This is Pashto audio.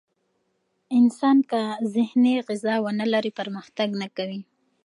انسان که ذهني غذا ونه لري، پرمختګ نه کوي.